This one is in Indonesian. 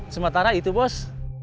sementara itu bos